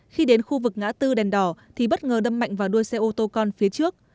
khi đến khu vực ngã tư đèn đỏ thì bất ngờ đâm mạnh vào đuôi xe ô tô con phía trước